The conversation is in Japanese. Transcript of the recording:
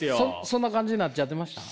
そんな感じになっちゃってました？